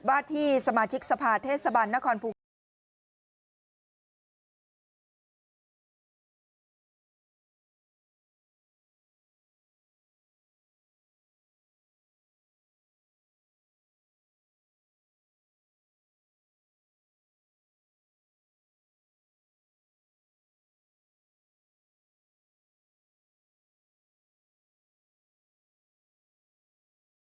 ว่าที่สมาชิกสภาทเทศบันนครภูกษ์